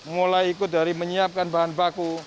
mulai ikut dari menyiapkan bahan baku